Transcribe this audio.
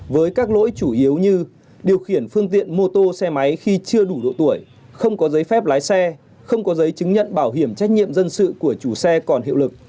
với các lỗi chủ yếu như điều khiển phương tiện mô tô xe máy khi chưa đủ độ tuổi không có giấy phép lái xe không có giấy chứng nhận bảo hiểm trách nhiệm dân sự của chủ xe còn hiệu lực